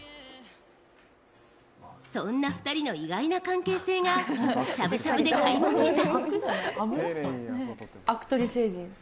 そんな２人の意外な関係性がしゃぶしゃぶでかいま見えた。